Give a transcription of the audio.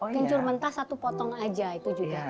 kencur mentah satu potong aja itu juga